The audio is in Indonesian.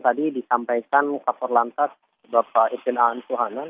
tadi disampaikan kak kor lantas bapak ibn a an suhanan